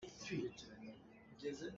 Kan hnulei thla ah tangka thong kul a sung.